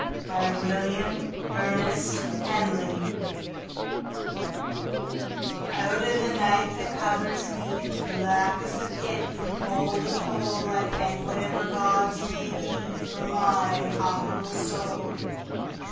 1920. William Ernest Henley1849–1903 Invictus OUT of the night that covers me, Black as the Pit from pole to pole,I thank whatever gods may beFor my unconquerable soul.